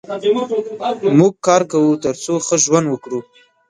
موږ کار کوو تر څو ښه ژوند وکړو.